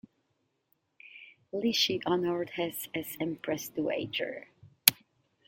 Li Shi honored her as empress dowager.